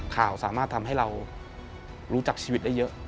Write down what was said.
สามารถทำให้เรารู้จักชีวิตได้เยอะ